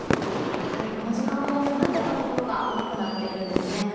この時間も不安定なところが多くなっているんですね。